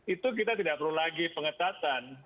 itu kita tidak perlu lagi pengetatan